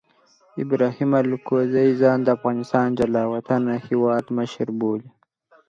ابراهیم الکوزي ځان د افغانستان جلا وطنه هیواد مشر بولي.